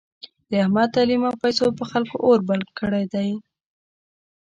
د احمد تعلیم او پیسو په خلکو اور بل کړی دی.